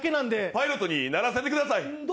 パイロットにならせてください。